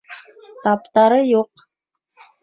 Таптары юҡ